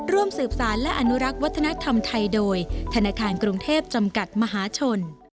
ร่วมสืบสารและอนุรักษ์วัฒนธรรมไทยโดยธนาคารกรุงเทพจำกัดมหาชน